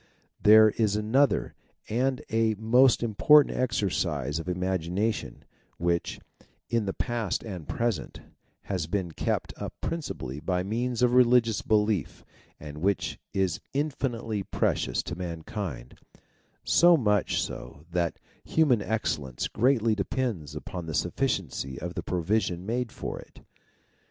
There is another and a most important exercise of imagination which, in the past and present, has been kept up principally by means of religious belief and which is infinitely precious to mankind, so much so that human excellence greatly depends upon the sufficiency of the provision made for it.